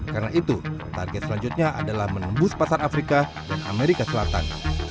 karena itu target selanjutnya adalah menembus pasar afrika dan amerika selatan